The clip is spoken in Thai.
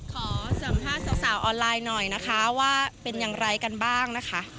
ขอสัมภาษณ์สาวออนไลน์หน่อยนะคะว่าเป็นอย่างไรกันบ้างนะคะ